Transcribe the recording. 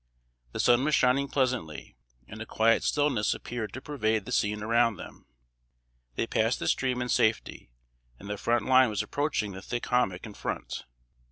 The sun was shining pleasantly, and a quiet stillness appeared to pervade the scene around them. They passed the stream in safety, and the front line was approaching the thick hommock in front.